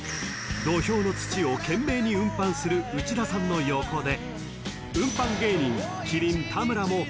［土俵の土を懸命に運搬する内田さんの横で］